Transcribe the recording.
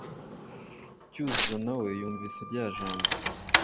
Cyuzuzo na we yumvise rya jambo